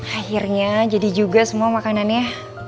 akhirnya jadi juga semua makanannya